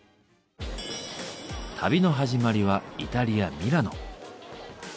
旅の始まりはイタリア・ミラノ。